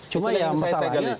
cuma yang masalahnya